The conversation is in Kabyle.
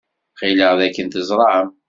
Ɣileɣ dakken teẓram.